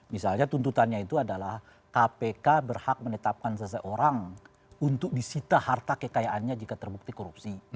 misalnya tuntutannya itu adalah kpk berhak menetapkan seseorang untuk disita harta kekayaannya jika terbukti korupsi